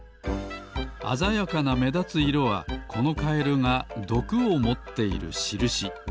あざやかなめだつ色はこのカエルがどくをもっているしるし。